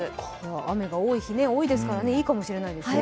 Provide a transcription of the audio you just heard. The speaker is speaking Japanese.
雨が多いですからね、いいかもしれないですね。